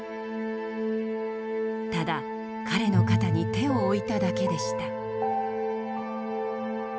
ただ彼の肩に手を置いただけでした。